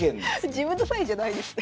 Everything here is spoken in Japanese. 自分のサインじゃないんですね。